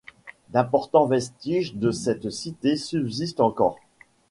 D'importants vestiges de cette cité subsistent encore.